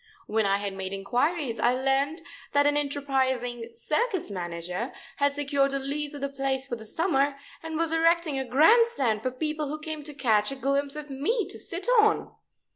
When I had made inquiries I learned that an enterprising circus manager had secured a lease of the place for the summer, and was erecting a grand stand for people who came to catch a glimpse of me to sit on.